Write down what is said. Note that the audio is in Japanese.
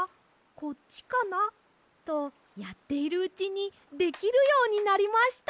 こっちかな？」とやっているうちにできるようになりました！